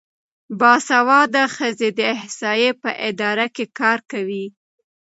باسواده ښځې د احصایې په اداره کې کار کوي.